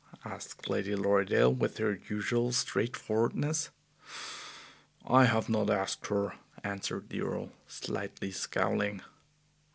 asked Lady Lorridaile, with her usual straightforwardness. "I have not asked her," answered the Earl, slightly scowling.